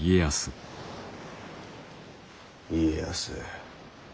家康。